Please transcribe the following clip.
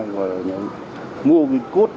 và mua cái code